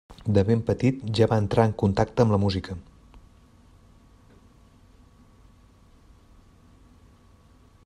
De ben petit ja va entrar en contacte amb la música.